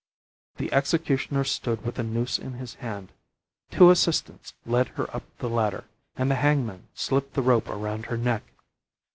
The executioner stood with the noose in his hand; two assistants led her up the ladder, and the hangman slipped the rope around her neck.